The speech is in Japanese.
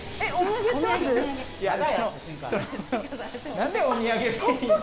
何でお土産。